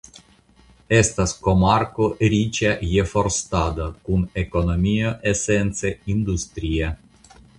Estas komarko riĉa je forstado kun ekonomio esence industria.